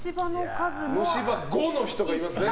虫歯５の人がいますね。